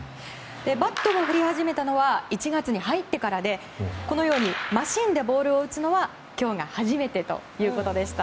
バットを振り始めたのは１月に入ってからでマシンでボールを打つのは今日が初めてということでした。